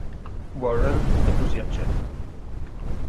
Warren e così accetta.